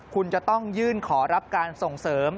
คุณจะต้องยื่นขอรับการส่งเสริม